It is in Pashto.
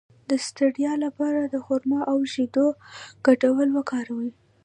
د ستړیا لپاره د خرما او شیدو ګډول وکاروئ